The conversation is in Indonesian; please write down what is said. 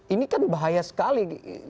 ini kan bahaya sekali